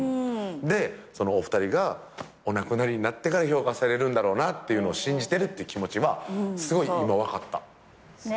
でそのお二人がお亡くなりになってから評価されるんだろうなっていうのを信じてるって気持ちはすごい今分かった。